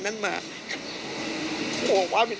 ถ้าเขาถูกจับคุณอย่าลืม